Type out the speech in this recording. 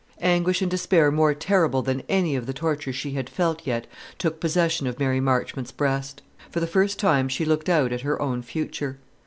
Anguish and despair more terrible than any of the tortures she had felt yet took possession of Mary Marchmont's breast. For the first time she looked out at her own future.